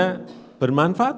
ini adalah bermanfaat